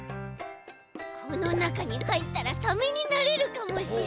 このなかにはいったらサメになれるかもしれない。